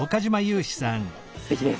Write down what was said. すてきです。